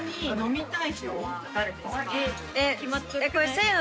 せの！